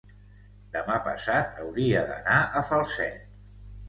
demà passat hauria d'anar a Falset.